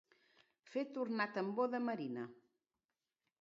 Fer tornar tambor de marina.